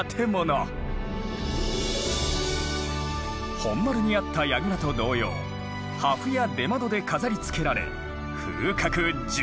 本丸にあった櫓と同様破風や出窓で飾りつけられ風格十分だ。